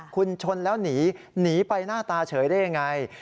คุณชนแล้วหนีหนีไปหน้าตาเฉยได้ยังไง